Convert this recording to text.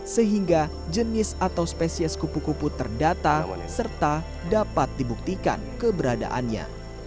sehingga jenis atau spesies kupu kupu terdata serta dapat dibuktikan keberadaannya